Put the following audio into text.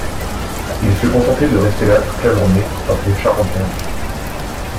Il se contentait de rester là, toute la journée, dans ses charentaises